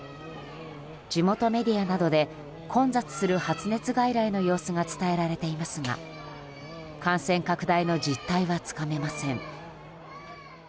地元メディアなどで混雑する発熱外来の様子が伝えられていますが感染拡大の実態はつかめません。